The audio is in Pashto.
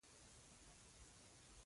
د صبر لمن د بریا سبب دی.